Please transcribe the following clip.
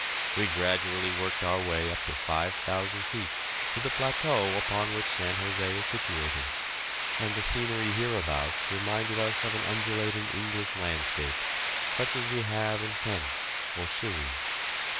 We gradually worked our way up 5,000 feet to the plateau upon which San José is situated, and the scenery hereabouts reminded us of an undulating English landscape, such as we have in Kent or Surrey.